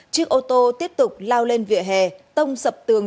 chiếc ô tô tiếp tục lao lên vỉa hè tông sập tường